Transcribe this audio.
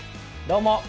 どうも！